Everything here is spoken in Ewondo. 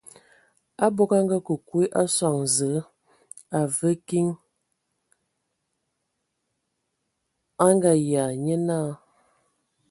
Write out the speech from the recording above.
Abog a ngakǝ kwi a sɔŋ Zǝə, a və kiŋ, a Ngayia, nye naa.